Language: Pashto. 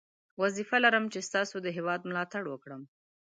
وظیفه لرم چې ستاسو د هیواد ملاتړ وکړم.